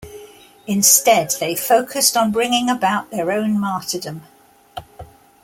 Instead, they focused on bringing about their own martyrdom.